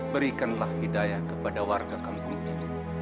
berikanlah hidayah kepada warga kampung ini